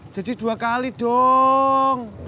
jadi dua kali dong